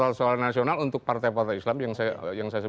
soal soal nasional untuk partai partai islam yang saya sebutkan